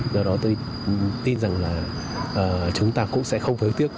do đó tôi tin rằng là chúng ta cũng sẽ không phối tiếc